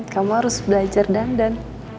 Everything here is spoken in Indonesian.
kamu harus belajar dandan